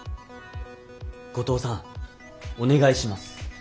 後藤さんおねがいします。